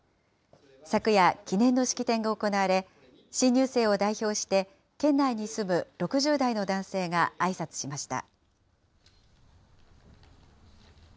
昨夜、記念の式典が行われ、新入生を代表して、県内に住む６０代の男性があいさつしました。